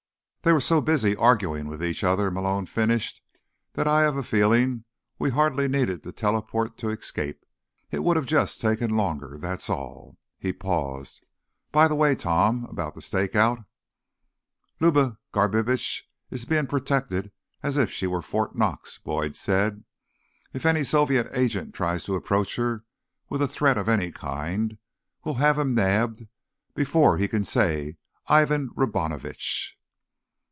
"They were so busy arguing with each other," Malone finished, "that I have a feeling we hardly needed the teleportation to escape. It would just have taken longer, that's all." He paused. "By the way, Tom, about the stakeout—" "Luba Garbitsch is being protected as if she were Fort Knox," Boyd said. "If any Soviet agent tries to approach her with a threat of any kind, we'll have him nabbed before he can say Ivan Robinovitch."